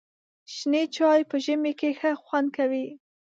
شنې چای په ژمي کې ښه خوند کوي.